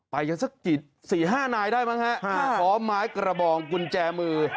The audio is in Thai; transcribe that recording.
ไปกันสัก๔๕นายได้มั้งฮะพร้อมไม้กระบองกุญแจมือ